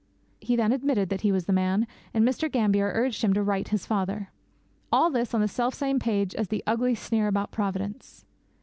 He then admitted that he was the man, and Mr. Gambier urged him to write to his father. All this on the selfsame page as the ugly sneer about Providence!